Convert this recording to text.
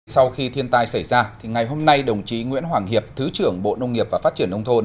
sau khi thiên tai xảy ra ngày hôm nay đồng chí nguyễn hoàng hiệp thứ trưởng bộ nông nghiệp và phát triển nông thôn